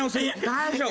大丈夫！